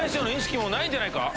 もうないんじゃないか？